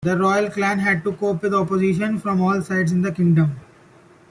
The royal clan had to cope with opposition from all sides in the kingdom.